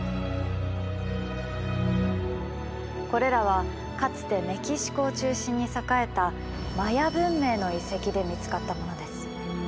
これらはかつてメキシコを中心に栄えたマヤ文明の遺跡で見つかったものです。